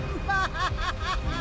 ハハハハ！